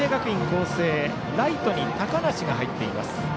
光星ライトに高梨が入っています。